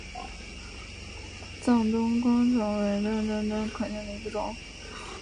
藏东薹草为莎草科薹草属下的一个种。